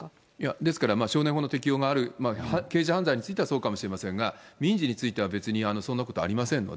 ですから、少年法の適用がある、刑事犯罪についてはそうかもしれませんが、民事については別にそんなことありませんので。